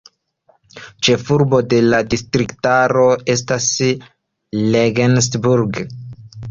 Ĉefurbo de la distriktaro estas Regensburg.